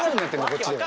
こっちでは。